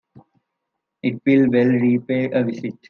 It will well repay a visit.